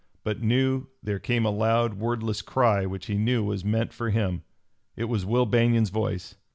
But new, there came a loud, wordless cry which he knew was meant for him. It was Will Banion's voice.